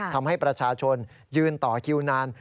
ทำให้ประชาชนยืนต่อคิวนาน